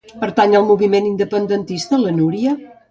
Pertany al moviment independentista la Núria?